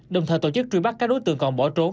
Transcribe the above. đồng thời tổ chức truy bắt các đối tượng còn bỏ trốn